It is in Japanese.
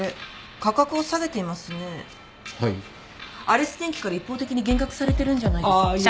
アレス電機から一方的に減額されてるんじゃないですか？